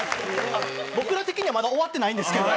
僕ら的にはまだ終わってないんですけど。